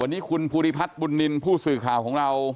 วันนี้คุณภูริพัฒน์บุญนินทร์ผู้สื่อข่าวของเรา